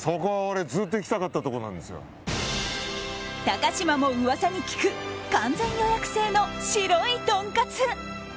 高嶋も噂に聞く完全予約制の白いとんかつ。